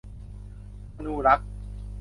ธนูลักษณ์